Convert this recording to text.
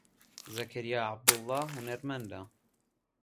زەکەریا عەبدوڵڵا هونەرمەندە.